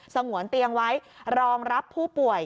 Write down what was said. งวนเตียงไว้รองรับผู้ป่วย